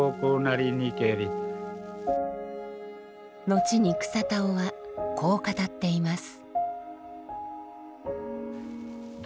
後に草田男はこう語っています。